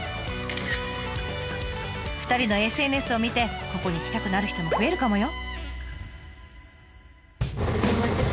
２人のＳＮＳを見てここに来たくなる人も増えるかもよ？